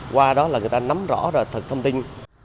qua đó là người ta nắm rõ ra thật thông tin